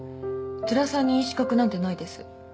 つらさに資格なんてないです